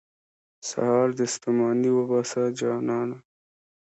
سهار دې ستوماني وباسه، جانانه.